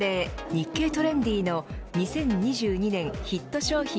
日経トレンディの２０２２年ヒット商品